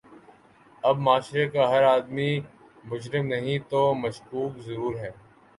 اب معاشرے کا ہر آدمی مجرم نہیں تو مشکوک ضرور ہے۔